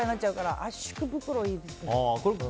圧縮袋、いいですね。